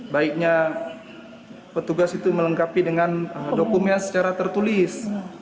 baiknya petugas itu melengkapi dengan dokumen secara tertulis